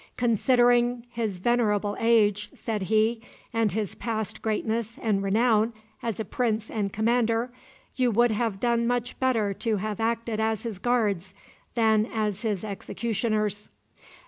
"Considering his venerable age," said he, "and his past greatness and renown as a prince and commander, you would have done much better to have acted as his guards than as his executioners."